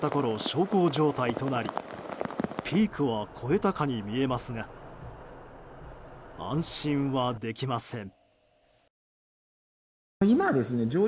小康状態となりピークは越えたかに見えますが安心はできません。